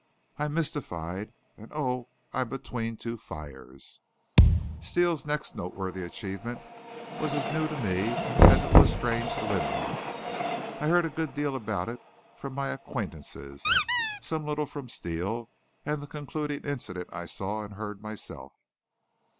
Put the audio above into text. I'm mystified, and, oh, I'm between two fires!" Steele's next noteworthy achievement was as new to me as it was strange to Linrock. I heard a good deal about it from my acquaintances, some little from Steele, and the concluding incident I saw and heard myself.